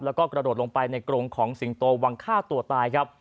แล้วก็กระโดดลงไปในกรงของสิงโตวังฆ่าตัวตายครับ